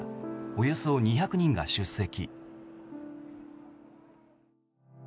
およそ２００人が出席。